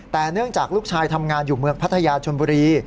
แต่เนื่องจากลูกชายทำงานอยู่เมืองพัทยาชนบุรี